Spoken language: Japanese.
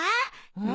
うん？